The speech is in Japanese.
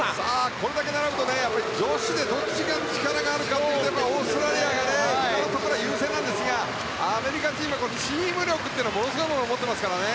これだけ並ぶと女子でどっちが力があるかというとオーストラリアが優勢なんですがアメリカチームはチーム力というのはものすごいものを持っていますから。